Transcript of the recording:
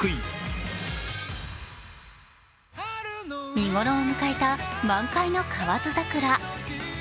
見頃を迎えた満開の河津桜。